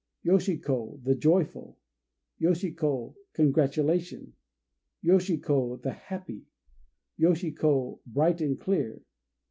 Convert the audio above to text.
Yoshi ko "The Joyful." Yoshi ko "Congratulation." Yoshi ko "The Happy." Yoshi ko "Bright and Clear."